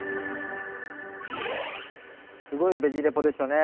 すごい「ベジ・レポ」でしたね。